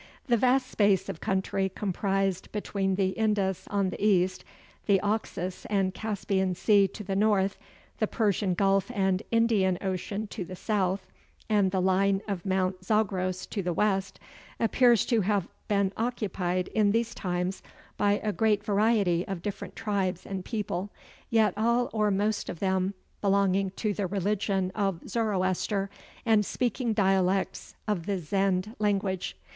The vast space of country comprised between the Indus on the east, the Oxus and Caspian Sea to the north, the Persian Gulf and Indian Ocean to the south, and the line of Mount Zagros to the west, appears to have been occupied in these times by a great variety of different tribes and people, yet all or most of them belonging to the religion of Zoroaster, and speaking dialects of the Zend language.